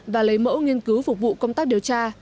và lấy mẫu nghiên cứu phục vụ công tác điều tra